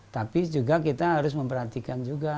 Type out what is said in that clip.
tapi juga kita harus memperhatikan juga